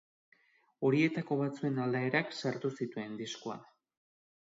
Horietako batzuen aldaerak sartu zituen diskoan.